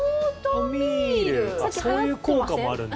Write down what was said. そういう効果もあるんだ。